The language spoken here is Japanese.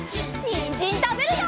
にんじんたべるよ！